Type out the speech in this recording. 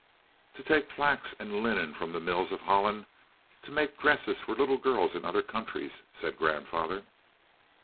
"To take flax and linen from the mills of Holland to make dresses for little girls in other countries," said grandfather.